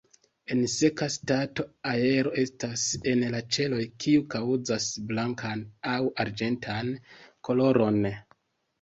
En seka stato aero estas en la ĉeloj, kiu kaŭzas blankan aŭ arĝentan koloron.